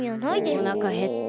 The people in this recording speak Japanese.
おなかへった。